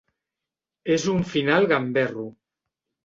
És un final gamberro.